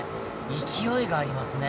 勢いがありますね。